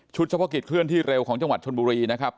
เฉพาะกิจเคลื่อนที่เร็วของจังหวัดชนบุรีนะครับ